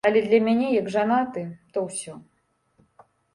Але для мяне як жанаты, то ўсё.